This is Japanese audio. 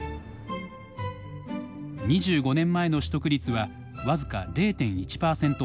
２５年前の取得率は僅か０．１％ほど。